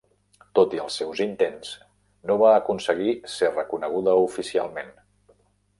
Tot i els seus intents, no va aconseguir ser reconeguda oficialment.